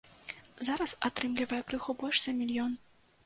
Зараз атрымлівае крыху больш за мільён.